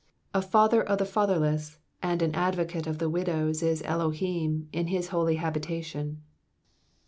6 A Father of the fatherless and an Advocate of the widows Is Elohim in his Holy habitation.